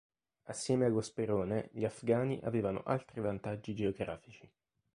Assieme allo sperone, gli afghani avevano altri vantaggi geografici.